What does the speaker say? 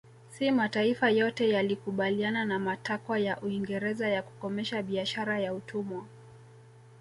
Si mataifa yote yalikubaliana na matakwa ya Uingereza ya kukomesha biashara ya utumwa